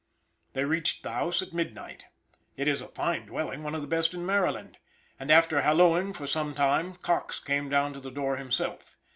They reached the house at midnight. It is a fine dwelling, one of the best in Maryland. And after hallooing for some time, Coxe came down to the door himself.